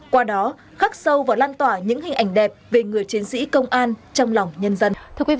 qua đó khắc sâu và lan tỏa những hình ảnh đẹp về người chiến sĩ công an trong lòng nhân dân